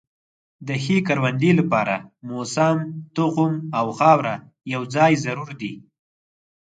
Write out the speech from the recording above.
د ښې کروندې لپاره موسم، تخم او خاوره یو ځای ضروري دي.